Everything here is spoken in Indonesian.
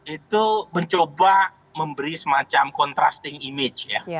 itu mencoba memberi semacam contrasting image ya